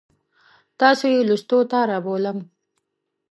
تاسو یې لوستو ته رابولم.